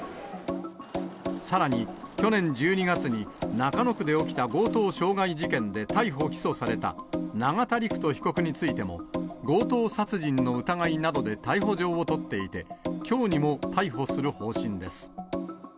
さらに、去年１２月に中野区で起きた強盗傷害事件で逮捕・起訴された、永田陸人被告についても、強盗殺人の疑いなどで逮捕状を取っていて、きょうにも逮捕する方針です。